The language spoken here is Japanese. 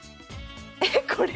えっこれ？